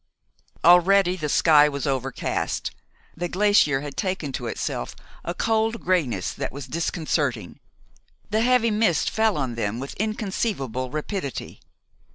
Already the sky was overcast. The glacier had taken to itself a cold grayness that was disconcerting. The heavy mist fell on them with inconceivable rapidity.